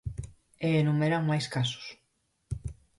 E enumeran máis casos.